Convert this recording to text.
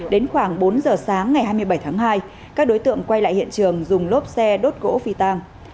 đến khoảng bốn giờ sáng ngày hai mươi bảy tháng hai các đối tượng quay lại hiện trường dùng lốp xe đốt gỗ phi tang